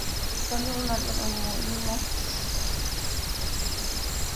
Publicando un álbum homónimo y dando varios conciertos por el país.